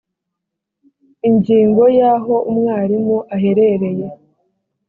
ingingo ya aho umwarimu aherereye